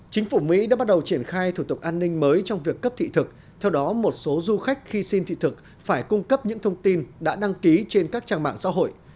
chính phủ mỹ đã bắt đầu triển khai thủ tục an ninh mới trong việc cấp thị thực theo đó một số du khách khi xin thị thực phải cung cấp những thông tin đã đăng ký trên các trang mạng xã hội